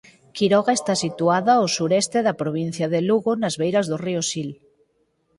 Quiroga está situada ó sueste da provincia de Lugo nas beiras do río Sil.